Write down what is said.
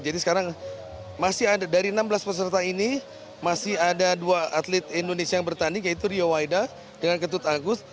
jadi sekarang masih ada dari enam belas peserta ini masih ada dua atlet indonesia yang bertanding yaitu rio waida dengan ketut agus